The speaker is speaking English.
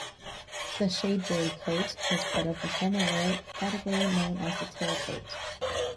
The shadbelly coat is part of a formal wear category known as the tailcoat.